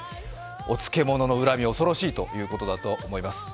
お漬物の恨み、恐ろしいということだと思います。